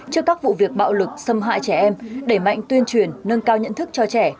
trước các vụ việc bạo lực xâm hại trẻ em đẩy mạnh tuyên truyền nâng cao nhận thức cho trẻ